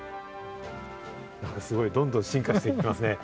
すごい、どんどん進化していきますね。